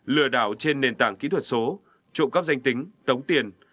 lừa đảo trên nền tảng kỹ thuật số trộm cắp danh tính tống tiền